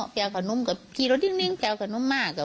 เขามาถามช่วยเอาหนุ่มกี่รถจริงมาก